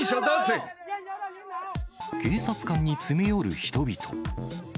警察官に詰め寄る人々。